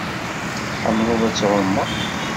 Tḥemmleḍ ad tɛumeḍ?